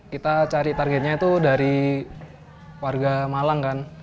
kita cari targetnya itu dari warga malang kan